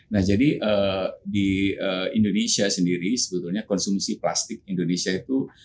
nah jadi di indonesia sendiri sebetulnya konsumsi plastik indonesia itu